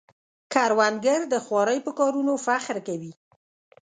کروندګر د خوارۍ په کارونو فخر کوي